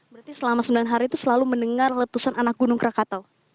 berarti selama sembilan hari itu selalu mendengar letusan anak gunung krakatau